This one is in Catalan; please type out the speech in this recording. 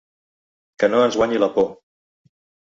Que no ens guanyi la por.